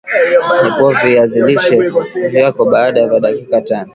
Epua viazilishe vyako baada ya dakika tano